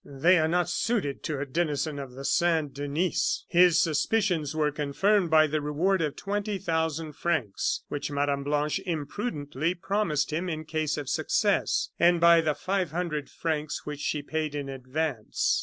they are not suited to a denizen of the Saint Denis!" His suspicions were confirmed by the reward of twenty thousand francs, which Mme. Blanche imprudently promised him in case of success, and by the five hundred francs which she paid in advance.